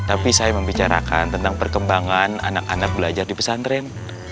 tapi saya membicarakan tentang perkembangan anak anak belajar di pesantren